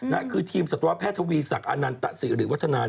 นั่นคือทีมศักดิ์ตัวแพทย์ทวีศักดิ์อานันตะศิริวัฒนา